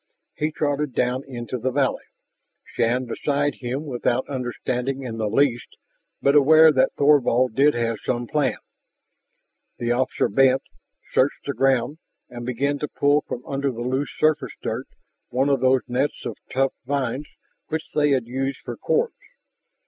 He trotted down into the valley, Shann beside him without understanding in the least, but aware that Thorvald did have some plan. The officer bent, searched the ground, and began to pull from under the loose surface dirt one of those nets of tough vines which they had used for cords.